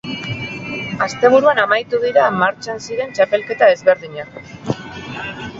Asteburuan amaitu dira martxan ziren txapelketa ezberdinak.